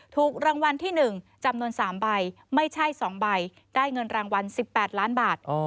ถูกรางวัลที่๑จำนวน๓ใบไม่ใช่๒ใบได้เงินรางวัล๑๘ล้านบาท